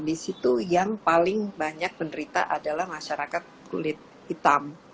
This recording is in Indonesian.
di situ yang paling banyak penderita adalah masyarakat kulit hitam